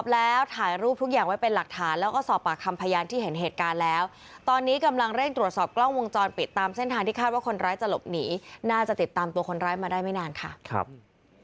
แล้วถ่ายรูปทุกอย่างไว้เป็นหลักฐานแล้วก็สอบปากคำพยานที่เห็นเหตุการณ์แล้วตอนนี้กำลังเร่งตรวจสอบกล้องวงจรปิดตามเส้นทางที่คาดว่าคนร้ายจะหลบหนีน่าจะติดตามตัวคนร้ายมาได้ไม่นานค่ะครับ